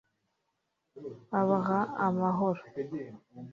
abaha amahoro